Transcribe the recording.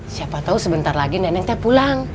siapa tau sebentar lagi nenek teh pulang